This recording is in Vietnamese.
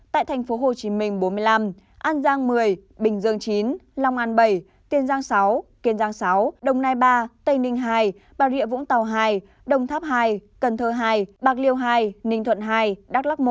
tại thành phố hồ chí minh bốn mươi năm an giang một mươi bình dương chín long an bảy tiên giang sáu kiên giang sáu đồng nai ba tây ninh hai bà rịa vũng tàu hai đồng tháp hai cần thơ hai bạc liêu hai ninh thuận hai đắk lắc một